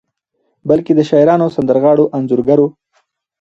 بلکې د شاعرانو، سندرغاړو، انځورګرو